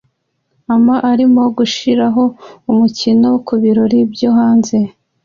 A ma arimo gushiraho umukino kubirori byo hanze